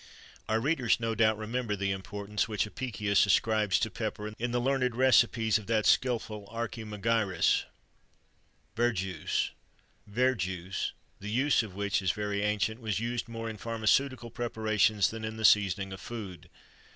[XXIII 82] Our readers no doubt remember the importance which Apicius ascribes to pepper, in the learned recipes of that skilful Archimagirus. VERJUICE. Verjuice, the use of which is very ancient, was used more in pharmaceutical preparations than in the seasoning of food.